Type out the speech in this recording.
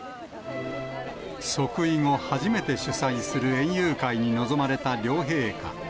即位後初めて主催する園遊会に臨まれた両陛下。